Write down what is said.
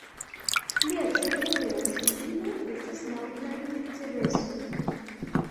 Plia celo de la sondilo estas laŭplane Cereso.